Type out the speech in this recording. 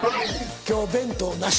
今日弁当なし。